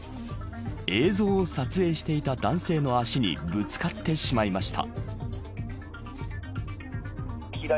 映像を撮影していた男性の足にぶつかってしまいました。